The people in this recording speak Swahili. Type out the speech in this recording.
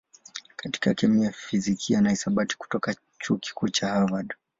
katika kemia, fizikia na hisabati kutoka Chuo Kikuu cha Harvard.